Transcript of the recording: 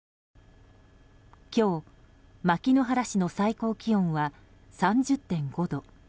今日、牧之原市の最高気温は３０．５度。